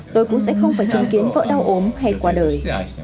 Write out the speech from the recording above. tôi cũng sẽ không phải chứng kiến vợ đau ốm hay qua đời